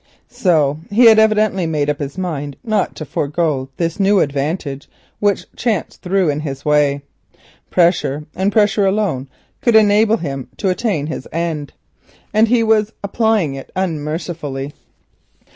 So he had evidently made up his mind not to forego this new advantage which chance threw in his way. Pressure and pressure alone could enable him to attain his end, and he was applying it unmercifully.